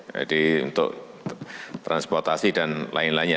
jadi untuk transportasi dan lain lainnya